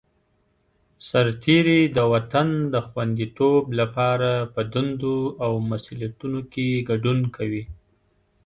سرتېری د وطن د خوندیتوب لپاره په دندو او مسوولیتونو کې ګډون کوي.